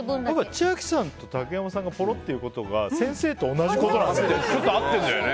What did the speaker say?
千秋さんと竹山さんがぽろっと言うことが先生と同じことなんだよね。